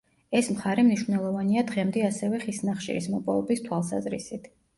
ეს მხარე მნიშვნელოვანია დღემდე ასევე ხის ნახშირის მოპოვების თვალსაზრისით.